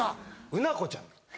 うなこちゃん。